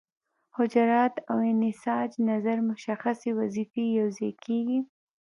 حجرات او انساج نظر مشخصې وظیفې یوځای کیږي.